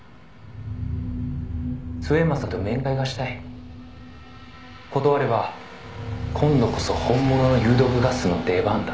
「末政と面会がしたい」「断れば今度こそ本物の有毒ガスの出番だ」